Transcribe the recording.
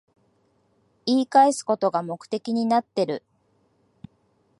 言い返すことが目的になってる